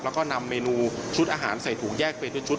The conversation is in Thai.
แล้วก็นำเมนูชุดอาหารใส่ถุงแยกไปด้วยชุด